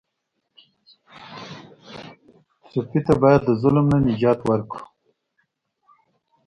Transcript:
ټپي ته باید د ظلم نه نجات ورکړو.